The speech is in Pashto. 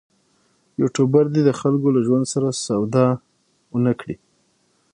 یوټوبر دې د خلکو له ژوند سودا ونه کړي.